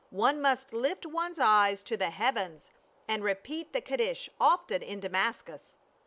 One must lift one's eyes to the heavens and repeat the Kadish often in Damascus."